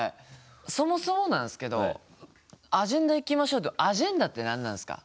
そもそもなんすけど「アジェンダいきましょう」の「アジェンダ」って何なんすか？